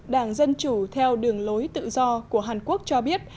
đảng dân chủ theo đường lối tự do của hàn quốc cho biết